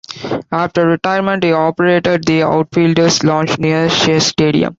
After retirement, he operated the Outfielder's Lounge near Shea Stadium.